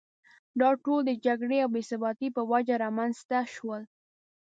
دا ټول د جګړې او بې ثباتۍ په وجه رامېنځته شول.